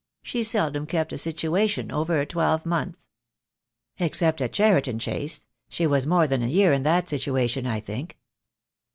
She seldom kept a situation over a twelve month." "Except at Cheriton Chase. She was more than a year in that situation, I think."